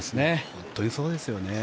本当にそうですよね。